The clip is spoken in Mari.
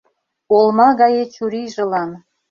Олма гае чурийжылан